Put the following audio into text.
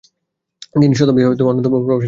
তিনি শতাব্দীর অন্যতম প্রভাবশালী স্থপতি।